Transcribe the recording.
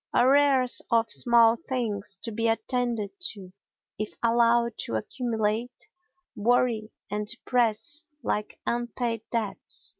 Arrears of small things to be attended to, if allowed to accumulate, worry and depress like unpaid debts.